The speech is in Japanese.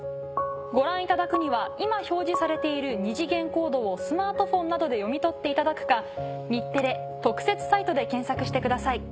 ご覧いただくには今表示されている二次元コードをスマートフォンなどで読み取っていただくか日テレ特設サイトで検索してください。